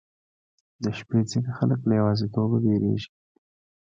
• د شپې ځینې خلک له یوازیتوبه ډاریږي.